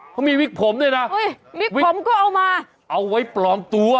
เขามีวิกผมด้วยนะอุ้ยวิกผมก็เอามาเอาไว้ปลอมตัว